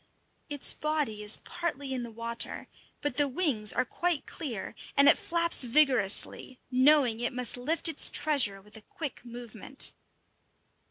] Its body is partly in the water, but the wings are quite clear, and it flaps vigorously, knowing it must lift its treasure with a quick movement.